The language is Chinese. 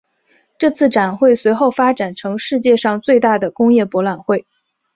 这次展会随后发展成世界上最大的工业博览会。